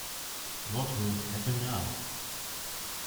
What would happen now?